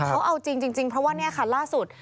เขาเอาจริงจริงเพราะว่าเนี่ยค่ะล่าสุด